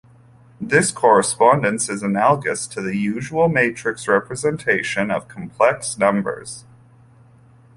This correspondence is analogous to the usual matrix representation of complex numbers.